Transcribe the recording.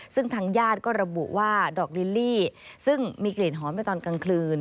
ซึ่งทางญาติก็ระบุว่าดอกลิลลี่ซึ่งมีกลิ่นหอมไปตอนกลางคืน